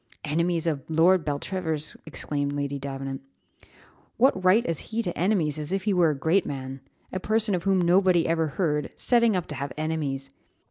"Enemies of Lord Beltravers!" exclaimed Lady Davenant. "What right as he to enemies as if he were a great man? a person of whom nobody ever heard, setting up to have enemies!